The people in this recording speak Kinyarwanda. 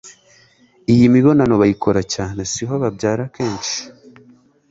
IYI MIBONANO BAYIKORA CYANE SIHO BABYARA KENSHI